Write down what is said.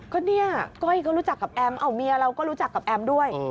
ก็เนี่ยก้อยก็รู้จักกับแอมเอาเมียเราก็รู้จักกับแอมด้วย